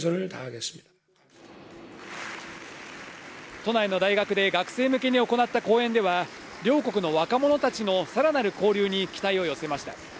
都内の大学で学生向けに行った講演では、両国の若者たちのさらなる交流に期待を寄せました。